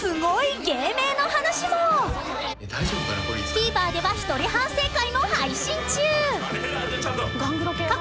［ＴＶｅｒでは一人反省会も配信中］